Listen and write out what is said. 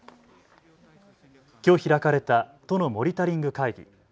きょう開かれた都のモニタリング会議。